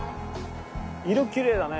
色きれいだね。